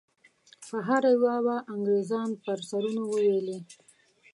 په هره یوه به انګریزان پر سرونو وولي.